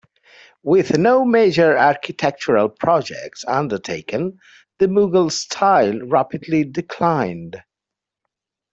With no major architectural projects undertaken, the Mughal style rapidly declined.